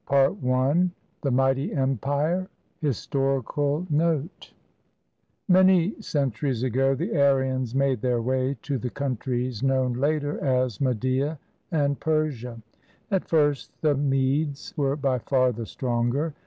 PERSIA I THE MIGHTY EMPIRE HISTORICAL NOTE Many centuries ago the Aryans made their way to the countries known later as Media and Persia. At first the Medes were by far the stronger.